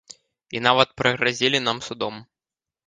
І нават прыгразілі нам судом.